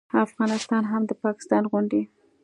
افغانستان هم د پاکستان غوندې